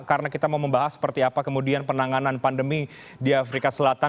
karena kita mau membahas seperti apa kemudian penanganan pandemi di afrika selatan